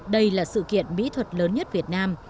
đây là sự kiện mỹ thuật lớn nhất việt nam